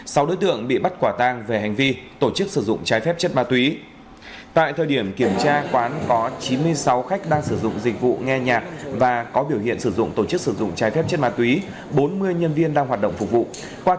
sau đối tượng bị bắt quả tang về hành vi tổ chức sử dụng trái phép chất ma túy tại thời điểm kiểm tra quán có chín mươi sáu khách đang sử dụng dịch vụ nghe nhạc và có biểu hiện sử dụng tổ chức sử dụng trái phép chất ma túy bốn mươi nhân viên đang hoạt động phục vụ